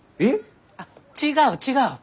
あっ違う違う！